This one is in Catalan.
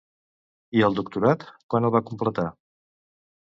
I el doctorat quan el va completar?